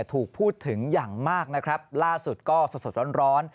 ถูกพูดถึงอย่างมากนะครับล่าสุดก็สดสดร้อน